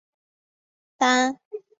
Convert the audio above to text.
担任临沭县农业局农经中心副主任。